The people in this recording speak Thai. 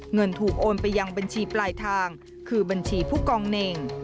เงินถูกโอนไปยังบัญชีปลายทางคือบัญชีผู้กองเน่ง